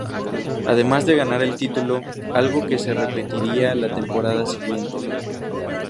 Además de ganar el título, algo que se repetiría la temporada siguiente.